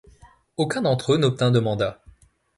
Aucun d'entre eux n'obtint de mandat.